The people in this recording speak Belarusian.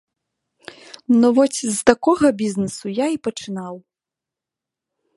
Ну вось з такога бізнэсу я і пачынаў.